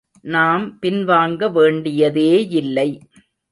நாம் பின்வாங்க வேண்டியதேயில்லை.